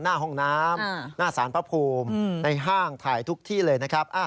หน้าห้องน้ำหน้าสารพระภูมิในห้างถ่ายทุกที่เลยนะครับ